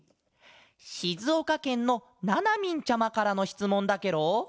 しずおかけんのななみんちゃまからのしつもんだケロ！